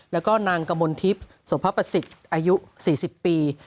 แล้วก็นางกมลทิพย์สุพประสิทธิ์อายุ๔๐ปี